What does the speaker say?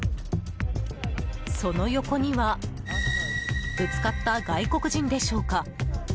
その横にはぶつかった外国人でしょうか？